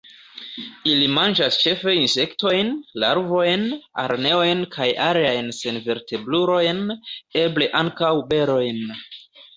Ili manĝas ĉefe insektojn, larvojn, araneojn kaj aliajn senvertebrulojn; eble ankaŭ berojn.